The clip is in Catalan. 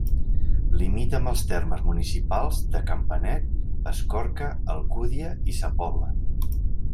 Limita amb els termes municipals de Campanet, Escorca, Alcúdia i Sa Pobla.